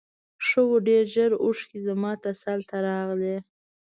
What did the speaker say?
ښه و ډېر ژر اوښکې زما تسل ته راغلې.